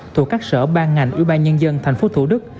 thuộc các sở ban ngành ưu ba nhân dân tp thủ đức